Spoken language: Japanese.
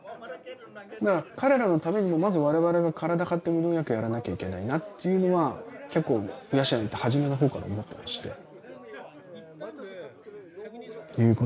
だから彼らのためにもまず我々が体張って無農薬やらなきゃいけないなっていうのは結構鵜養行って初めの方から思ってまして。